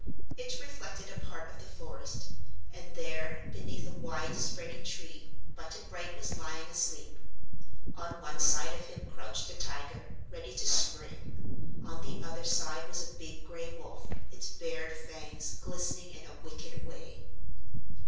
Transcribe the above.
It reflected a part of the forest, and there, beneath a wide spreading tree, Button Bright was lying asleep. On one side of him crouched a tiger, ready to spring; on the other side was a big gray wolf, its bared fangs glistening in a wicked way.